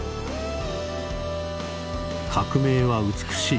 「“革命”は美しい。